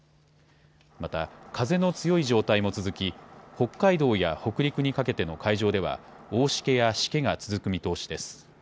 また風の強い状態も続き北海道や北陸にかけての海上では大しけやしけが続く見通しです。